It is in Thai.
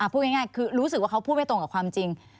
พูดง่ายคือรู้สึกว่าเขาพูดไม่ตรงกับความจริง